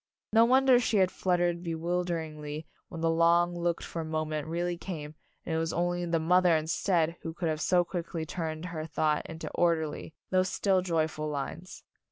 No wonder she had fluttered bewilder ingly when the long looked for moment really came, and it was only the mother instead who could have so quickly turned her thought into orderly, though still joyful lines.